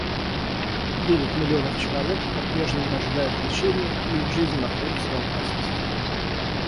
Девять миллионов человек попрежнему ожидают лечения, и их жизнь находится в опасности.